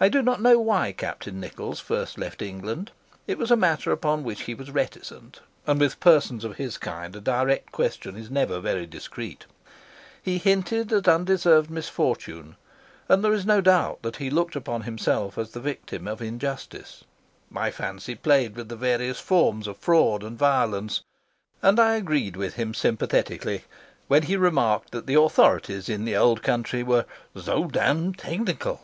I do not know why Captain Nichols first left England. It was a matter upon which he was reticent, and with persons of his kind a direct question is never very discreet. He hinted at undeserved misfortune, and there is no doubt that he looked upon himself as the victim of injustice. My fancy played with the various forms of fraud and violence, and I agreed with him sympathetically when he remarked that the authorities in the old country were so damned technical.